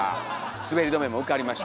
滑り止めも受かりました！